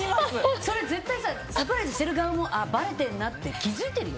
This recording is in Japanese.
それ絶対サプライズしてる側もあ、バレてるなって気づいているよ。